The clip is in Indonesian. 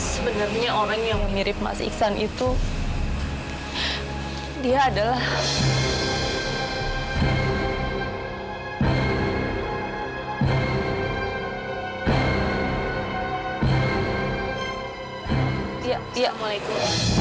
sebenarnya orang yang mirip mas iksan itu